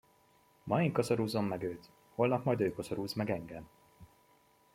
Ma én koszorúzom meg őt, holnap majd ő koszorúz meg engem.